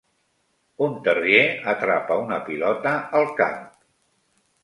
Un terrier atrapa una pilota al camp.